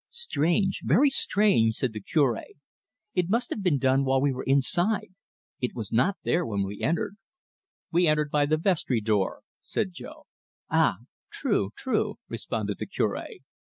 "Strange very strange!" said the Cure. "It must have been done while we were inside. It was not there when we entered." "We entered by the vestry door," said Jo. "Ah, true true," responded the Cure.